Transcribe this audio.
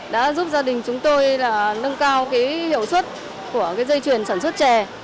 đã giúp gia đình chúng tôi nâng cao hiệu suất của dây chuyển sản xuất chè